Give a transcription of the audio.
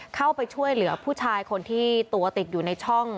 เข้าไปช่วยเหลือผู้ชายคนที่ตัวติดอยู่ในช่อง